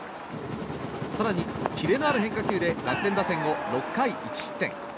更に、キレのある変化球で楽天打線を６回１失点。